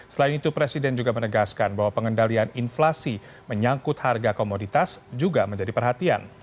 selain itu presiden juga menegaskan bahwa pengendalian inflasi menyangkut harga komoditas juga menjadi perhatian